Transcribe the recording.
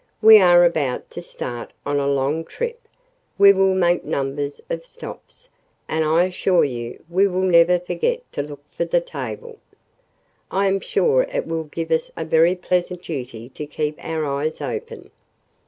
"We are about to start on a long trip. We will make numbers of stops, and I assure you we will never forget to look for the table. I am sure it will give us a very pleasant duty to keep our eyes open."